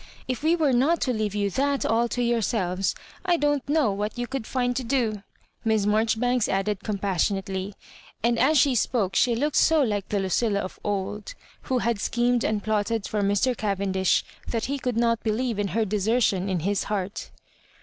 If we were not to leave you tJuU all to yourselves, I don't know what you could find to do," Miss Marjoribanks added onmpawionately ; and as she spoke she looked so like the Lucilla of old, who had schemed and plotted for Mr. Cavendish, that he could not behove in her desertion in his heart.